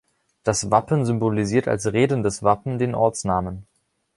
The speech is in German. Das Wappen symbolisiert als redendes Wappen den Ortsnamen.